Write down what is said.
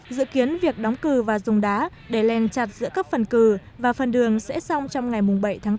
dự kiến việc đóng cử và dùng đá để len chặt giữa các phần cử và phần đường sẽ xong trong ngày bảy tháng tám